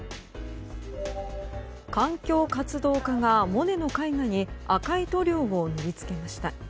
環境活動家がモネの絵画に赤い塗料を塗りつけました。